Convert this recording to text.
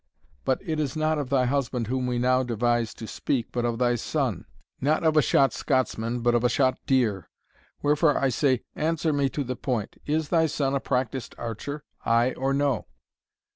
But it is not of thy husband whom we now devise to speak, but of thy son; not of a shot Scotsman, but of a shot deer Wherefore, I say, answer me to the point, is thy son a practised archer, ay or no?"